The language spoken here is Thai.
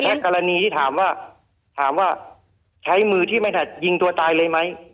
กรณีที่ถามว่าถามว่าใช้มือที่ไม่ถัดยิงตัวตายเลยไหม